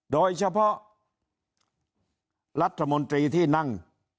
โดยเฉพาะรัฐมนตรีที่นั่ง